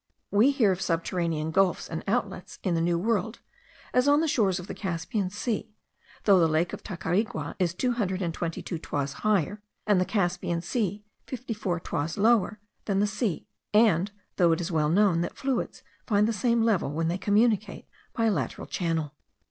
We hear of subterranean gulfs and outlets in the New World, as on the shores of the Caspian sea, though the lake of Tacarigua is two hundred and twenty two toises higher, and the Caspian sea fifty four toises lower, than the sea; and though it is well known, that fluids find the same level, when they communicate by a lateral channel.